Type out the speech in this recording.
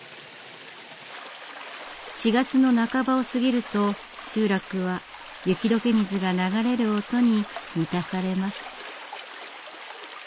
４月の半ばを過ぎると集落は雪解け水が流れる音に満たされます。